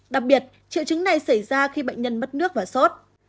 đặc biệt triệu chứng này xảy ra khi bệnh nhân mất nước và sốt